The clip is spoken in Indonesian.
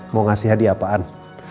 mau ngasih hadiah apaan